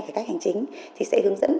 cải cách hành chính thì sẽ hướng dẫn